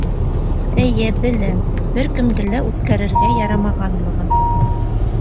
Эйе, беләм бер кемде лә үткәрергә ярамағанлығын.